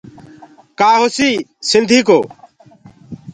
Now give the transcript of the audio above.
ڪآ هوسيٚ سنڌي ڪو